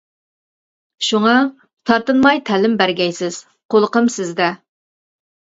شۇڭا، تارتىنماي تەلىم بەرگەيسىز، قۇلىقىم سىزدە.